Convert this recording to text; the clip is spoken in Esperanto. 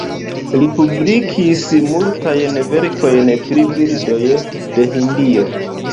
Li publikis multajn verkojn pri birdoj de Hindio.